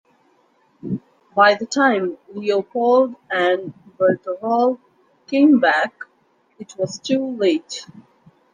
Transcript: By the time Leopold and Berthold came back, it was too late.